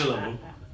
begitu lah bu